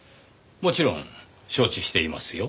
もちろん承知していますよ。